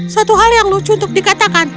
suatu hal yang lucu untuk dikatakan